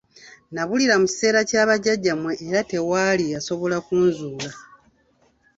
Nabulira mu kiseera kya bajjajjammwe era tewaali yasoobola kunzuula.